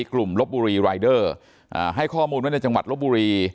ลบบุรีรายเดอร์ให้ข้อมูลว่าในจังหวัดลบบุรี